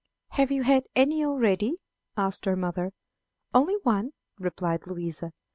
"Have you had any already?" asked her mother. "Only one," replied Louisa.